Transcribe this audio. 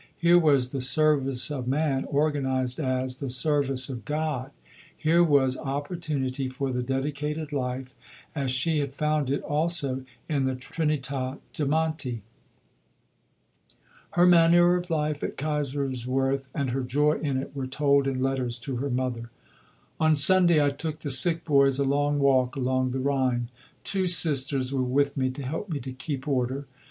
Here was "the service of man" organized as "the service of God"; here was opportunity for the Dedicated Life, as she had found it also in the Trinità de' Monti. Letter to Mrs. C. S. Roundell, August 4, 1896. Her manner of life at Kaiserswerth and her joy in it were told in letters to her mother: On Sunday I took the sick boys a long walk along the Rhine; two Sisters were with me to help me to keep order.